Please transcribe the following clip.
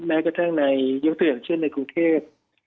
แม้กระทั่งในยกตัวอย่างเช่นในกรุงเทพ